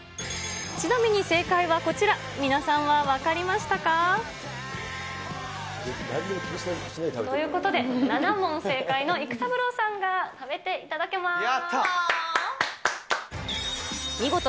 ちなみに正解はこちら、皆さんは分かりましたか。ということで、７問正解の育三郎さんが食べていただけます。